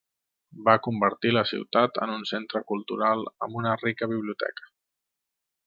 Va convertir la ciutat en un centre cultural amb una rica biblioteca.